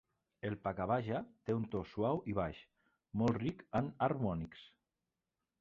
El pakhavaja té un to suau i baix, molt ric en harmònics.